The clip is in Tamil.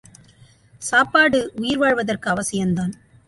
சாப்பாடு உயிர் வாழ்வதற்கு அவசியந்தான்.